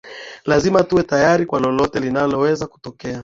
lazima tuwe tayari kwa lolote linaweza kutokea